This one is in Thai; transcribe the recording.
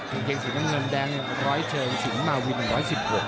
สำเนียงสินกังเงินแดง๑๐๐เชิงสินมาวิน๑๑๐กว่า